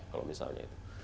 kalau misalnya itu